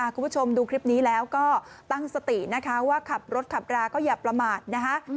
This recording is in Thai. คุณผู้ชมดูคลิปนี้แล้วก็ตั้งสตินะคะว่าขับรถขับราก็อย่าประมาทนะคะ